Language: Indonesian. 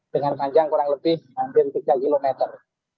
dengan panjang kurang lebih hampir tiga kilometer